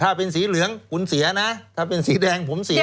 ถ้าเป็นสีเหลืองคุณเสียนะถ้าเป็นสีแดงผมสี